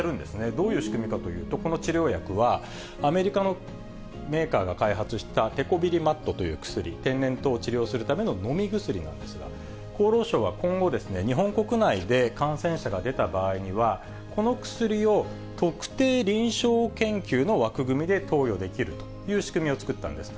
どういう仕組みかというと、この治療薬はアメリカのメーカーが開発したテコビリマットという薬、天然痘を治療するための飲み薬なんですが、厚労省は今後、日本国内で感染者が出た場合には、この薬を特定臨床研究の枠組みで投与できるという仕組みを作ったんです。